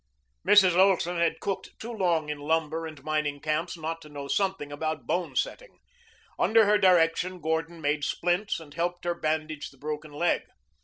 Mrs. Olson had cooked too long in lumber and mining camps not to know something about bone setting. Under her direction Gordon made splints and helped her bandage the broken leg.